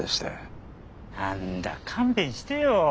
何だ勘弁してよ。